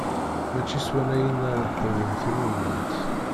Mačči s wannayen ara d-tawim timunnent.